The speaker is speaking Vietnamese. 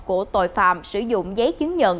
của tội phạm sử dụng giấy chứng nhận